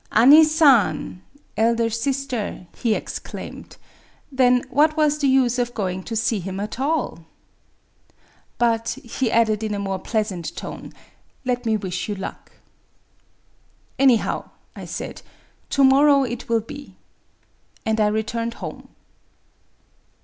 " Ane San [Elder Sister] !" he exclaimed, —" then what was the use of going to see him at all ?... But," he added, in a more pleasant tone, ^^ let me wish you luck." '* Anyhow," I said, " to morrow it will be." And I returned home.